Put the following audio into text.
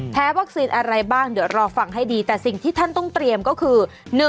วัคซีนอะไรบ้างเดี๋ยวรอฟังให้ดีแต่สิ่งที่ท่านต้องเตรียมก็คือ